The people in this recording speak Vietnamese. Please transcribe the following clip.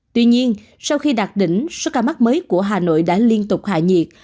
tuy nhiên sau khi đạt đỉnh số ca mắc mới của hà nội đã liên tục hạ nhiệt